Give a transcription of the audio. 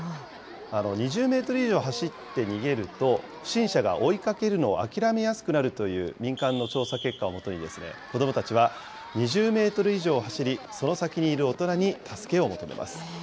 ２０メートル以上走って逃げると、不審者が追いかけるのを諦めやすくなるという民間の調査結果をもとに、子どもたちは２０メートル以上走り、その先にいる大人に助けを求めます。